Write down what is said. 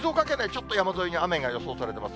ちょっと山沿いに雨が予想されてます。